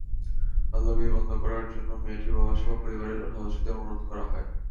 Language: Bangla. বাল্যবিয়ে বন্ধ করার জন্য মেয়েটির বাবাসহ পরিবারের সদস্যদের অনুরোধ করা হয়।